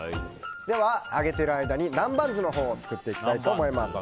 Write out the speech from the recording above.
では、揚げている間に南蛮酢のほうを作っていきたいと思います。